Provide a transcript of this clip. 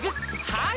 はい！